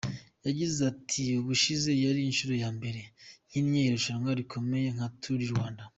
Yagize ati “Ubushize yari inshuro ya mbere nkinnye irushanwa rikomeye nka Tour du Rwanda.